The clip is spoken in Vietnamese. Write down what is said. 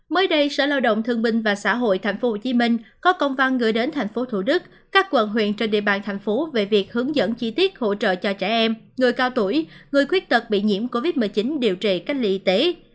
mới đây sở lao động thương binh và xã hội tp hcm có công văn gửi đến tp thủ đức các quận huyện trên địa bàn thành phố về việc hướng dẫn chi tiết hỗ trợ cho trẻ em người cao tuổi người khuyết tật bị nhiễm covid một mươi chín điều trị cách ly y tế